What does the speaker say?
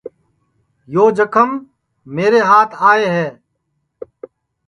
یو جکھم میرے ہات آئے ہے